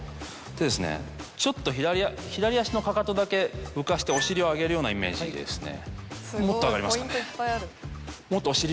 でちょっと左足のかかとだけ浮かしてお尻を上げるようなイメージでですね。